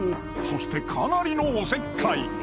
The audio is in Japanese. そしてかなりのおせっかい